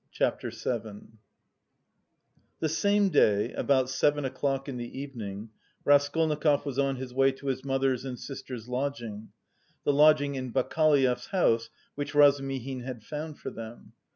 CHAPTER VII The same day, about seven o'clock in the evening, Raskolnikov was on his way to his mother's and sister's lodging the lodging in Bakaleyev's house which Razumihin had found for them.